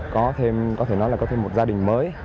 có thêm có thể nói là có thêm một gia đình mới